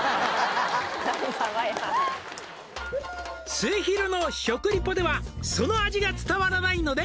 何様や「すゑひろの食リポではその味が伝わらないので」